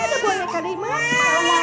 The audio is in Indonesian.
ihh ada buahnya